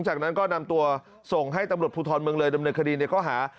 จากนั้นก็นำตัวส่งให้ตำรวจภูทรเมืองเลยดำเนินคดีในข้อหา